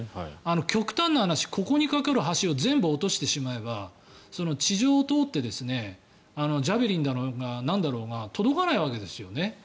極端な話、ここに架かる橋を落としてしまえば地上を通ってジャベリンだろうがなんだろうが届かないわけですよね。